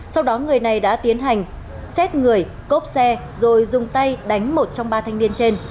sau đó người này đã tiến hành xét người cốp xe rồi dùng tay đánh một trong ba thanh niên trên